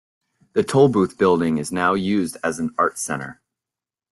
The Tolbooth building is now used as an Arts Centre.